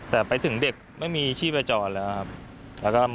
แต่ไปถึงเด็กไม่มีชีพไปจอดเลยครับ